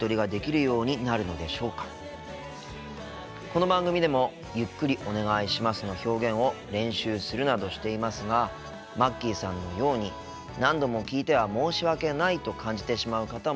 この番組でも「ゆっくりお願いします」の表現を練習するなどしていますがまっきーさんのように何度も聞いては申し訳ないと感じてしまう方もいらっしゃいますよね。